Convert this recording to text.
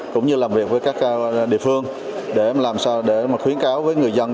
cũng như làm việc với các địa phương để làm sao để khuyến cáo với người dân